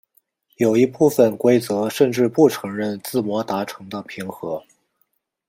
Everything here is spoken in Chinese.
有一部分规则甚至不承认自摸达成的平和。